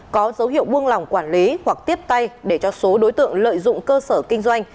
có dấu hiệu buông lỏng quản lý hoặc tiếp tay để cho số đối tượng lợi dụng cơ sở kinh doanh